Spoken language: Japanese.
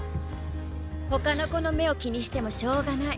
ほかの子の目を気にしてもしょうがない。